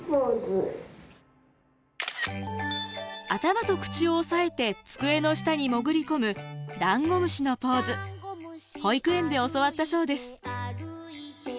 頭と口を押さえて机の下に潜り込む保育園で教わったそうです。